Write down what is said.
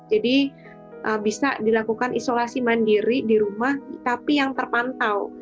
jadi bisa dilakukan isolasi mandiri di rumah tapi yang terpantau